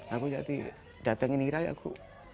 aku jadi datang ke nira ya aku